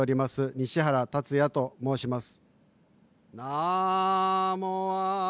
西原龍哉と申します。